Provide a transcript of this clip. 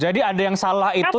jadi ada yang salah itu